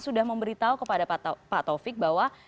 sudah memberitahu kepada pak taufik bahwa